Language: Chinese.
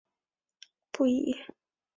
不以追求顺差为目标